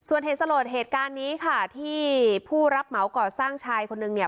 ส่วนเหตุสลดเหตุการณ์นี้ค่ะที่ผู้รับเหมาก่อสร้างชายคนนึงเนี่ย